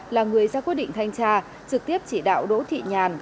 là người ra quyết định thanh tra trực tiếp chỉ đạo đỗ thị nhàn